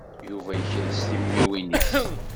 Yuba yekres timiwin-is.